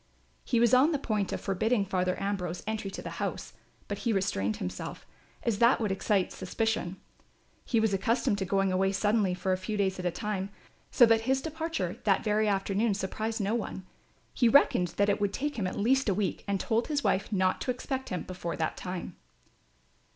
He was on the point of forbidding Father Ambrose entry to the house; but he restrained himself, as that would excite suspicion. He was accustomed to going away suddenly for a few days at a time, so that his departure that very afternoon surprised no one. He reckoned that it would take him at least a week and told his wife not to expect him before that time.